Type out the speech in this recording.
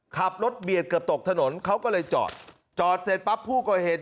ขับรถเบียดเกือบตกถนนเขาก็เลยจอดจอดเสร็จปั๊บผู้ก่อเหตุ